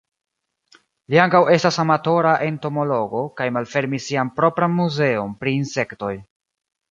Li ankaŭ estas amatora entomologo kaj malfermis sian propran muzeon pri insektoj.